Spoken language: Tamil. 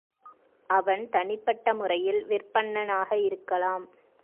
அவன் தனிப்பட்ட முறையில் விற்பன்னனாக இருக்கலாம்.